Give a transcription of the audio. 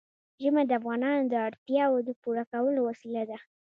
ژمی د افغانانو د اړتیاوو د پوره کولو وسیله ده.